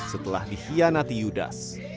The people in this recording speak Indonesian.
setelah dihianati judas